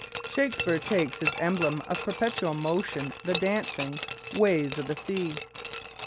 Shakespeare takes as his emblem of perpetual motion the dancing "waves o' th' sea".